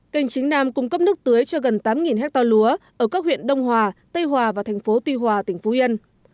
canh chính nam cung cấp nước tưới cho gần tám hectare lúa ở các huyện đông hòa tây hòa và thành phố tuy hòa tỉnh phú yên